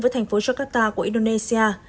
với thành phố jakarta của indonesia